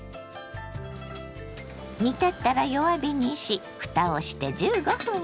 煮立ったら弱火にしふたをして１５分煮ます。